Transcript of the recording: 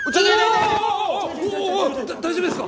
だ大丈夫ですか！？